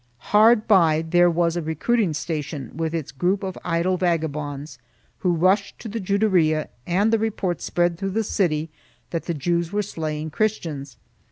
Hard by there was a recruiting station with its group of idle vagabonds, who rushed to the Juderia and the report spread through the city that the Jews were slaying Christians.